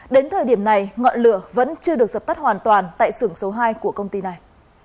đến thời điểm này ngọn lửa vẫn chưa được dập tắt hoàn toàn tại xưởng số hai của công ty này